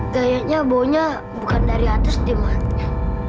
gayanya baunya bukan dari atas di mana